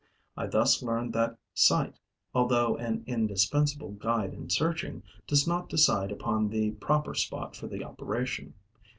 I thus learn that sight, although an indispensable guide in searching, does not decide upon the proper spot for the operation.